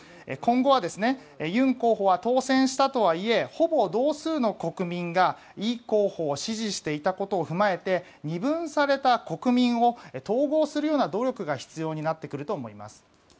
今後は、ユン候補は当選したとはいえほぼ同数の国民がイ候補を支持していたことを踏まえて二分された国民を統合するような努力が必要になってくると思います。